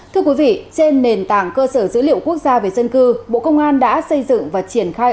thưa quý vị trên nền tảng cơ sở dữ liệu quốc gia về dân cư bộ công an đã xây dựng và triển khai